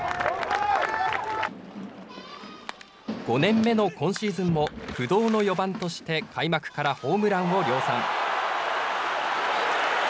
５年目の今シーズンも不動の４番として開幕からホームランを量産。